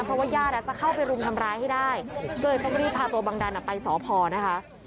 เพราะว่าญาติจะเข้าไปรุมทำร้ายให้ได้ก็เลยต้องรีบพาตัวบังดันไปสพนะคะ